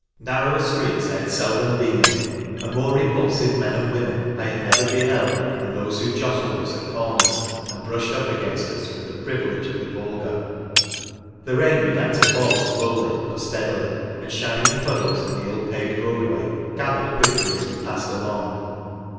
Narrower streets I had seldom been in, and more repulsive men and women I had never beheld than those who jostled us at corners and brushed up against us with the privilege of the vulgar. The rain began to fall slowly but steadily, and shining puddles in the ill paved roadway gathered quickly as we passed along.